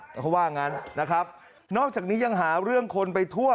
เขาว่างั้นนะครับนอกจากนี้ยังหาเรื่องคนไปทั่ว